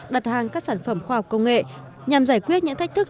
đặt hàng các sản phẩm khoa học công nghệ nhằm giải quyết những thách thức